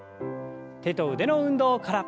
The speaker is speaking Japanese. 手と腕の運動から。